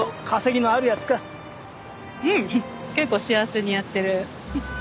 結構幸せにやってる。